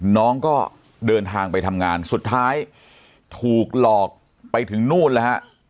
น้องก็เดินทางไปทำงานสุดท้ายถูกหลอกไปถึงนู่นแล้วฮะ